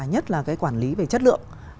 nhất là cái quản lý về chất lượng